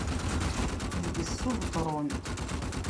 Bges s ubetṛun.